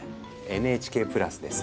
ＮＨＫプラスです。